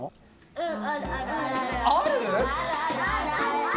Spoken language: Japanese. うん。